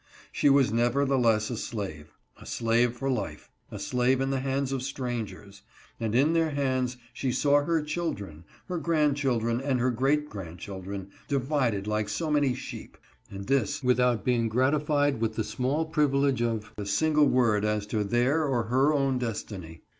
She was never theless a slave — a slave for life — a slave in the hands of strangers ; and in their hands she saw her children, her grandchildren, and her great grandchildren, divided like so many sheep ; and this without being gratified with the small privilege of a single word as to their or her own destiny.